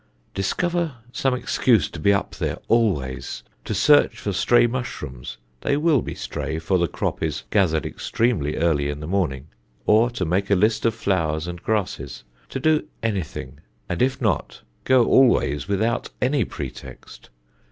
Discover some excuse to be up there always, to search for stray mushrooms they will be stray, for the crop is gathered extremely early in the morning or to make a list of flowers and grasses; to do anything, and, if not, go always without any pretext.